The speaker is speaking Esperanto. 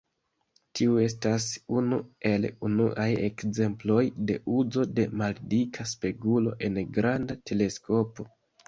Tiu estas unu el unuaj ekzemploj de uzo de maldika spegulo en granda teleskopo.